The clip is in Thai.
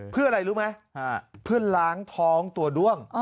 เพื่ออะไรรู้ไหมเพื่อล้างท้องตัวด้วง